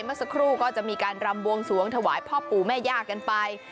เมื่อสักครู่ก็จะมีการรำบวงสวงถวายพ่อปู่แม่ย่ากันไป